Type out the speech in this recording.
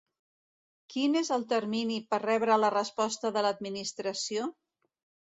Quin és el termini per rebre la resposta de l'Administració?